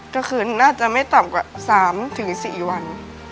ก็คือน่าจะไม่ต่ำกว่า๓๔วัน